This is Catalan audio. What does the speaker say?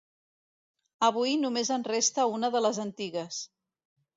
Avui només en resta una de les antigues.